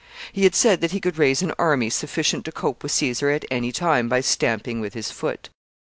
He had said that he could raise an army sufficient to cope with Caesar at any time by stamping with his foot.